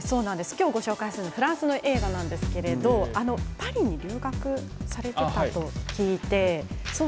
今日ご紹介するフランスの映画なんですけれどパリに留学されていたと聞いて。